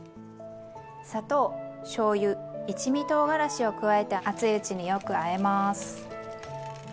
砂糖しょうゆ一味とうがらしを加えて熱いうちによくあえます。